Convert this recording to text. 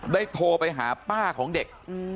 โทรไปหาป้าของเด็ก